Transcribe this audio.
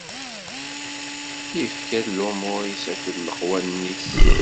Ifka-d lumuṛ-is akked leqwanen-is.